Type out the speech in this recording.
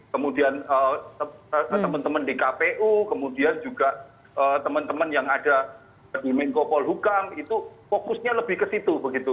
kemudian teman teman dkpu kemudian juga teman teman yang ada di menkopol hukang itu fokusnya lebih ke situ begitu